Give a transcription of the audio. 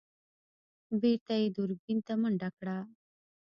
بېرته يې دوربين ته منډه کړه.